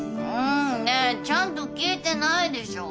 んねえちゃんと聞いてないでしょ。